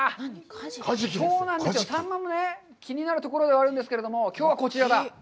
そうなんですよ、サンマも気になるところではあるんですけれども、きょうはこちらだ。